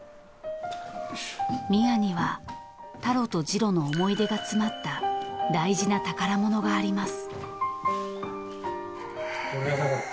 ［宮にはタロとジロの思い出が詰まった大事な宝物があります］